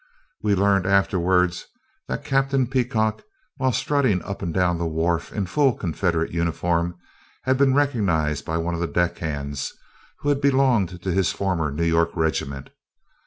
[We learned afterward that Captain Peacock, while strutting up and down the wharf in full Confederate uniform, had been recognized by one of the deck hands who had belonged to his former New York regiment.